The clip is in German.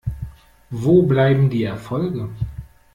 Wo bleiben die Erfolge?